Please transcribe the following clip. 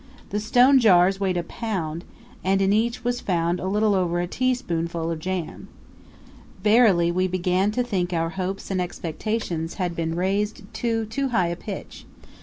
The stone jars weighed a pound, and in each was found a little over a tea spoonful of jam. Verily, we began to think our hopes and expectations had been raised to too high a pitch.